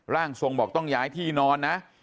ร่างทรงบอกต้องย้ายที่นอนนะ